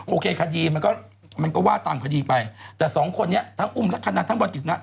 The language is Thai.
โอเคคดีมันก็มันก็ว่าตามคดีไปแต่สองคนนี้ทั้งอุ้มลักษณะทั้งวันกิจสนะ